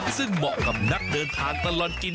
ซึ่งเหมาะกับนักเดินทางตลอดกิน